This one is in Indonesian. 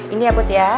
ini ya put ya